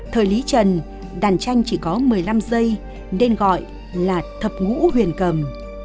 thời lý trần đàn tranh chỉ có một mươi năm giây nên gọi là thập ngũ huyền cầm